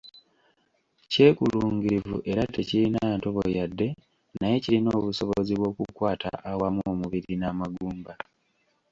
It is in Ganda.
Kyekulungirivu era tekirina ntobo yadde naye kirina obusobozi bw’okukwata awamu omubiri n’amagumba.